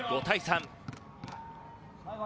５対３。